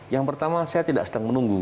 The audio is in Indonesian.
yang pertama saya tidak sedang menunggu